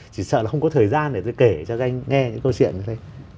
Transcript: chỉ sợ là không có thời gian để tôi kể cho các anh nghe những câu chuyện như thế